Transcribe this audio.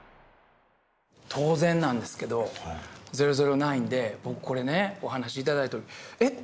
当然なんですけど「００９」で僕これねお話頂いた時えっ？